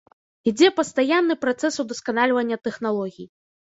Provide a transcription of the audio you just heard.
Ідзе пастаянны працэс удасканальвання тэхналогій.